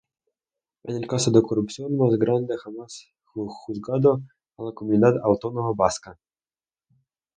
Es el caso de corrupción más grande jamás juzgado en la Comunidad Autónoma Vasca.